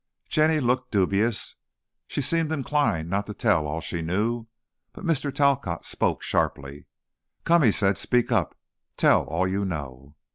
Jenny looked dubious. She seemed inclined not to tell all she knew. But Mr. Talcott spoke sharply. "Come," he said; "speak up. Tell all you know."